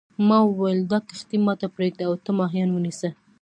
ما وویل دا کښتۍ ما ته پرېږده او ته ماهیان ونیسه.